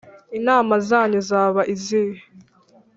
inama zanyu zaba izihe’